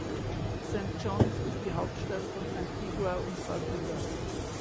St. John’s ist die Hauptstadt von Antigua und Barbuda.